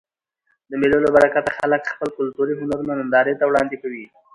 د مېلو له برکته خلک خپل کلتوري هنرونه نندارې ته وړاندي کوي.